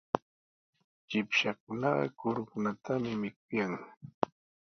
Chipshakunaqa kurukunatami mikuyan.